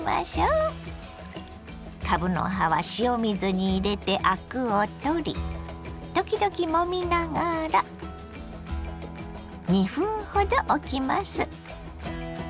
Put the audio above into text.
かぶの葉は塩水に入れてアクを取り時々もみながら２分ほどおきます。